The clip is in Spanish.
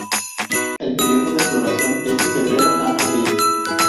El período de floración es de febrero a abril.